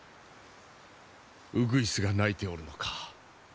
うぐいすが鳴いておるのか？